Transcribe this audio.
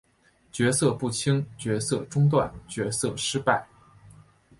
角色不清角色中断角色失败